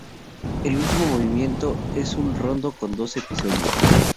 El último movimiento es un rondó con dos episodios.